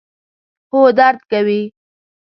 هو، درد کوي